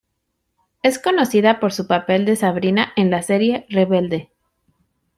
Es conocida por su papel de Sabrina en la Serie "Rebelde".